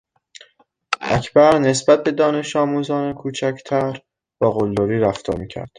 اکبر نسبت به دانشآموزان کوچکتر با قلدری رفتار میکرد.